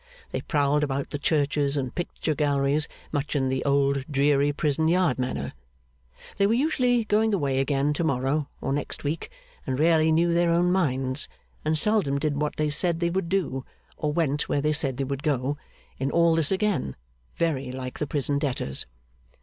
They prowled about the churches and picture galleries, much in the old, dreary, prison yard manner. They were usually going away again to morrow or next week, and rarely knew their own minds, and seldom did what they said they would do, or went where they said they would go: in all this again, very like the prison debtors.